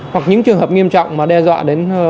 hoặc những trường hợp nghiêm trọng mà đe dọa đến